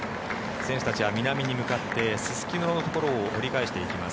選手たちは南に向かってすすきののところを折り返していきます。